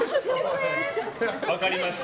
分かりました。